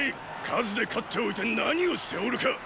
数で勝っておいて何をしておるか！